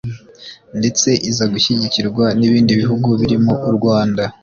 ndetse iza gushyigikirwa n’ibindi bihugu birimo u Rwanda